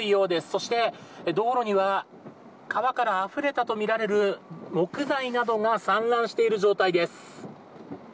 そして道路には川からあふれたとみられる木材などが散乱している状態です。